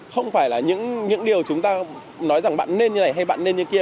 không phải là những điều chúng ta nói rằng bạn nên như này hay bạn nên như kia